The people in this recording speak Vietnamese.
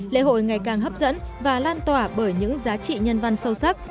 lễ hội ngày càng hấp dẫn và lan tỏa bởi những giá trị nhân văn sâu sắc